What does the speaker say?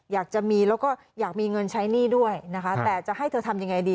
อยากจะมีแล้วก็อยากมีเงินใช้หนี้ด้วยนะคะแต่จะให้เธอทำยังไงดี